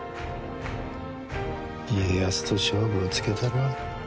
家康と勝負をつけたるわ。